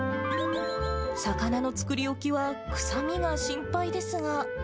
魚の作り置きは臭みが心配ですが。